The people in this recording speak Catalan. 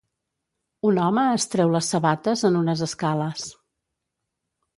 Un home es treu les sabates en unes escales